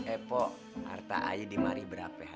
epo harta ayu dimari berapa